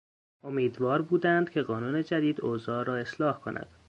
امیدوار بودند که قانون جدید اوضاع را اصلاح کند.